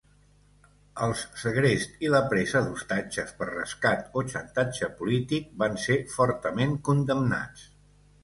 Els segrest i la presa d'ostatges per rescat o xantatge polític van ser fortament condemnats.